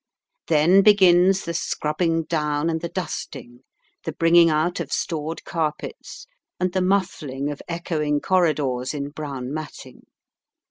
Then begins the scrubbing down and the dusting, the bringing out of stored carpets, and the muffling of echoing corridors in brown matting.